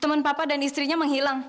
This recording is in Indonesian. teman papa dan istrinya menghilang